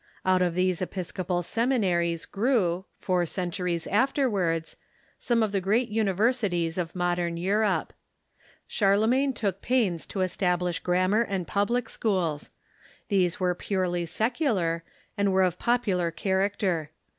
Out of these episcopal seminaries grew, four centuries afterwards, some of the great universities of modern Europe. Charlemagne took pains to establish grammar and public schools. Those were purely secular, and Avere of popular character.